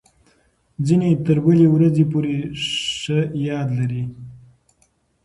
ځینې تر بلې ورځې پورې ښه یاد لري.